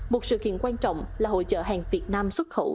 một sự kiện quan trọng là hỗ trợ hàng việt nam xuất khẩu